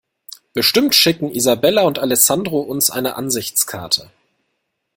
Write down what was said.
Bestimmt schicken Isabella und Alessandro uns eine Ansichtskarte.